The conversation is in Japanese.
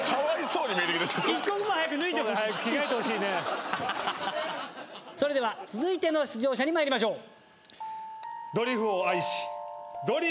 それでは続いての出場者に参りましょう。